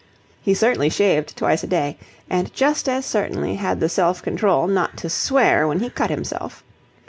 He certainly shaved twice a day, and just as certainly had the self control not to swear when he cut himself.